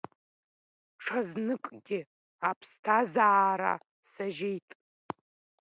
Ҽазныкгьы аԥсҭазаара сажьеит…